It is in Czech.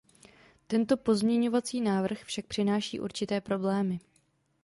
Tento pozměňovací návrh však přináší určité problémy.